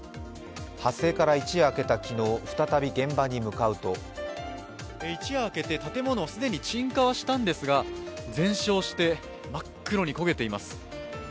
発生から一夜明けた昨日再び現場に向かうと一夜明けて、建物は既に鎮火はしたんですが、全焼して、真っ黒に焦げています。